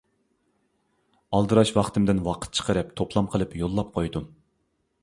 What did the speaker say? ئالدىراش ۋاقتىمدىن ۋاقىت چىقىرىپ توپلام قىلىپ يوللاپ قويدۇم.